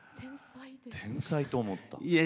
天才って思った。